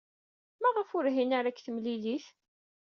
Maɣef ur hin ara deg temlilit?